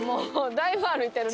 だいぶ歩いてるな。